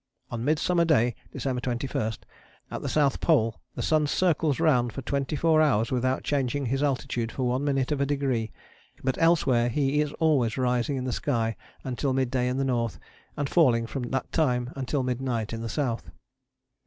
On Midsummer Day (December 21) at the South Pole the sun circles round for twenty four hours without changing his altitude for one minute of a degree, but elsewhere he is always rising in the sky until mid day in the north and falling from that time until midnight in the south.